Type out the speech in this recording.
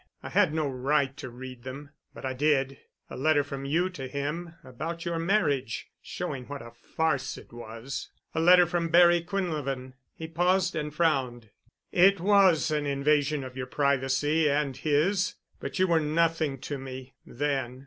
I had no right to read them. But I did. A letter from you to him—about your marriage—showing what a farce it was. A letter from Barry Quinlevin——" He paused and frowned. "It was an invasion of your privacy—and his—but you were nothing to me—then.